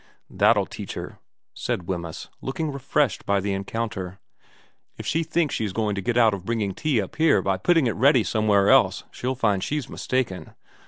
' That'll teach her,' said Wemyss, looking refreshed by the encounter. ' If she thinks she's going to get out of bringing tea up here by putting it ready somewhere else she'll find she's mistaken.